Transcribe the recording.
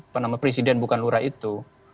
penama presiden bukan lurah itu